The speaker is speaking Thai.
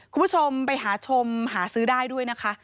คุณผู้ชมไปหาชมหาซื้อได้ด้วยนะคะ